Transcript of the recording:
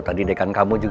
aku disana kan sih